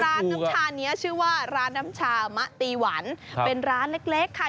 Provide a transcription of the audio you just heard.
น้ำชานี้ชื่อว่าร้านน้ำชามะตีหวันเป็นร้านเล็กค่ะ